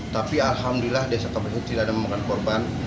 tapi alhamdulillah desa kabupaten tidak ada memakan korban